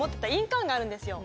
があるんですよ。